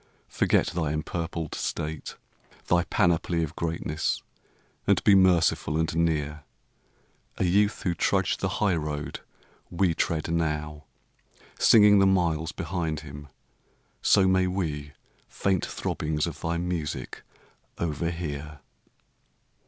Forget thy empurpled state, thy panoply Of greatness, and be merciful and near; A youth who trudged the highroad we tread now Singing the miles behind him; so may we Faint throbbings of thy music overhear.